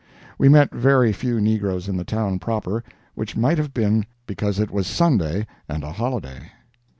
We met very few negroes in the town proper, which might have been because it was Sunday and a holiday.